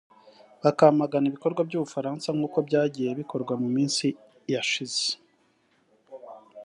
bakamagana ibikorwa by’u Bufaransa nk’uko byagiye bikorwa mu minsi yashize